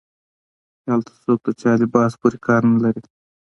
چې هلته څوک د چا لباس پورې کار نه لري